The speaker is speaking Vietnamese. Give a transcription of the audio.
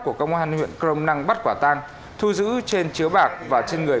của công an huyện crong năng bắt quả tang thu giữ trên chứa bạc và trên người